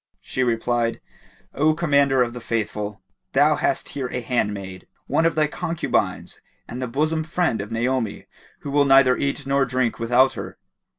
She replied, "O Commander of the Faithful, thou hast here a handmaid, one of thy concubines and the bosom friend of Naomi who will neither eat nor drink without her."